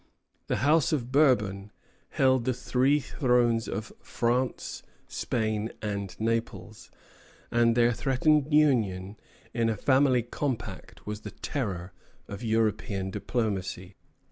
The House of Bourbon held the three thrones of France, Spain, and Naples; and their threatened union in a family compact was the terror of European diplomacy.